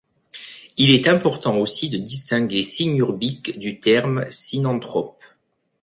Il est important aussi de distinguer synurbique du terme synanthrope.